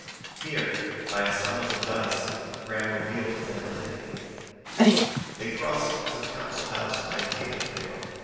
Here, by Asano's advice, Graham revealed his identity. They crossed to the Council House by a cable cradle.